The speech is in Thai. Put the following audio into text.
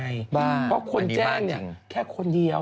บ้าอันนี้บ้าจริงอันนี้บ้าจริงเพราะคนแจ้งเนี่ยแค่คนเดียว